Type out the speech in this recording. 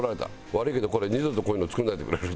「悪いけど二度とこういうの作らないでくれる？」